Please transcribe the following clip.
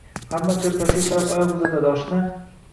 Hamma koʻrpasiga qarab oyoq uzatadi, oshna